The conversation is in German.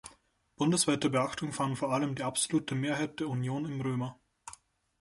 Bundesweite Beachtung fand vor allem die absolute Mehrheit der Union im Römer.